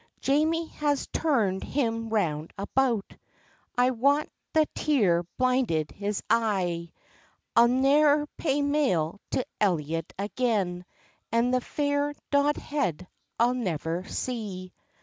Jamie has turned him round about, I wat the tear blinded his e'e— "I'll ne'er pay mail to Elliot again, And the fair Dodhead I'll never see!